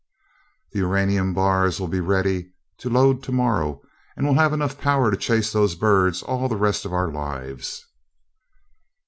The uranium bars'll be ready to load tomorrow, and we'll have enough power to chase those birds all the rest of our lives!"